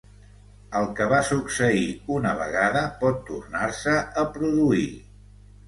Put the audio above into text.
El que va succeir una vegada pot tornar-se a produir.